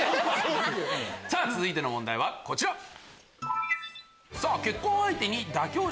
続いての問題はこちら。